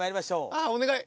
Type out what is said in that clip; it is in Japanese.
ああお願い！